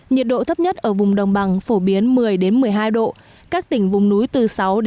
nhiệt độ thấp nhất ở vùng đồng bằng phổ biến một mươi một mươi hai độ các tỉnh vùng núi từ sáu chín độ vùng núi cao dưới ba độ